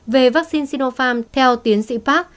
về vaccine sinopharm theo tiến sĩ park